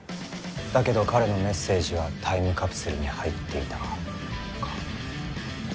だけど彼のメッセージはタイムカプセルに入っていたか。